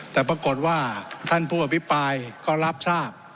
แต่ปรากฏว่าท่านผู้อภิปรายก็รับทราบ